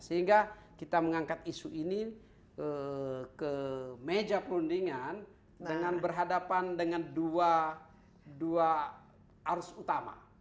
sehingga kita mengangkat isu ini ke meja perundingan dengan berhadapan dengan dua arus utama